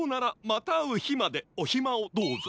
またあうひまでおひまをどうぞ。